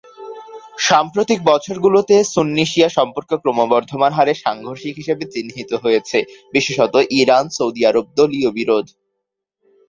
সাম্প্রতিক বছরগুলোতে, সুন্নি-শিয়া সম্পর্ক ক্রমবর্ধমান হারে সাংঘর্ষিক হিসেবে চিহ্নিত হয়েছে, বিশেষত ইরান-সৌদি আরব দলীয় বিরোধ।